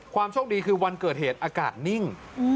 โชคดีคือวันเกิดเหตุอากาศนิ่ง